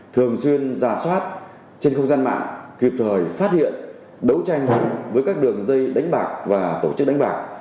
thường xuyên giả soát trên không gian mạng kịp thời phát hiện đấu tranh với các đường dây đánh bạc và tổ chức đánh bạc